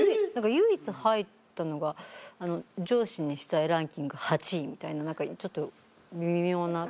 唯一入ったのが上司にしたいランキング８位みたいな何かちょっと微妙な。